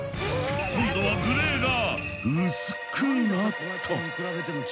今度はグレーが薄くなった！